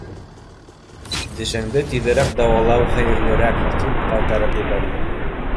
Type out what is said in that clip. Тешеңде тиҙерәк дауалау хәйерлерәк, — тип ҡайтарып ебәрҙе.